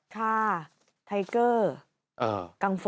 ค่ะไทเกอร์